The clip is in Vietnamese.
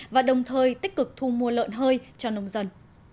và đồng thời tích cực thu mua lợn hơi cho nông dân